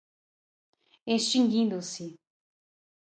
extinguindo-se